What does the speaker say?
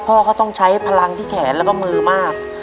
พ่อก็ต้องใช้พลังที่แขนแล้วก็มือมาก